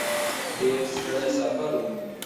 ډېر ستړی سفر و.